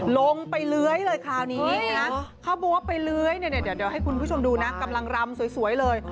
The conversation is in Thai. ลงไปเหลื้อยเลยคราวนี้เขาบอกว่าเบะเหลื้อยดีล่ะให้คุณผู้ชมดูนะกำลังรำสวยเลย